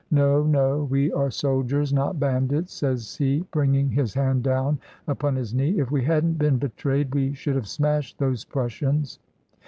No, no; we are soldiers, not bandits," says he bringing his hand down upon his knee. "If we hadn't been betrayed we should have smashed those Prussians."